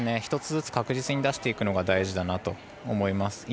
１つずつ確実に出していくのが大事だと思います。